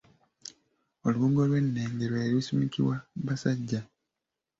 Olubugo olwennenge lwe lusumikibwa basajja.